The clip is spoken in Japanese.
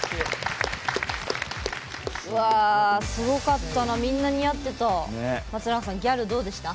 すごかったなみんな似合ってた。